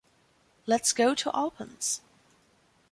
Let’s go to Alpens.